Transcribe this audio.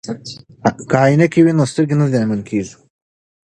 که عینکې وي نو سترګې نه زیانمن کیږي.